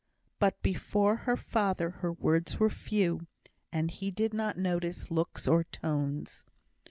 But before her father her words were few, and he did not notice looks or tones.